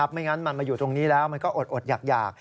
ไม่งั้นมันมาอยู่ตรงนี้แล้วมันก็อดอยาก